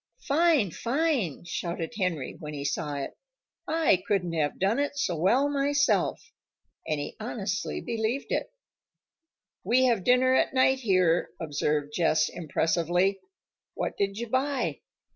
"Fine! Fine!" shouted Henry when he saw it. "I couldn't have done it so well myself." And he honestly believed it. "We have dinner at night, here," observed Jess impressively. "What did you buy?"